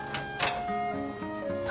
何？